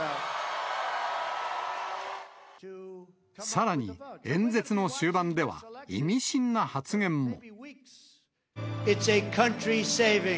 さらに、演説の終盤では意味深な発言も。